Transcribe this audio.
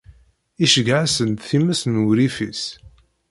Iceyyeɛ-asen-d times n wurrif-is.